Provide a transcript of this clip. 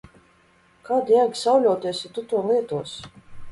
Kāda jēga sauļoties, ja tu to lietosi?